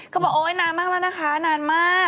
เขาก็บอกว่าโอ๊ยนานมากแล้วนะคะนานมาก